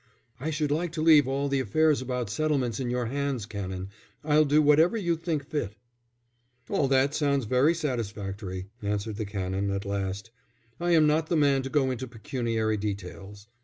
"I should like to leave all the affairs about settlements in your hands, Canon. I'll do whatever you think fit." "All that sounds very satisfactory," answered the Canon, at last. "I am not the man to go into pecuniary details.